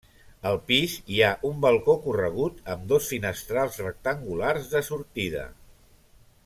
Al pis hi ha un balcó corregut amb dos finestrals rectangulars de sortida.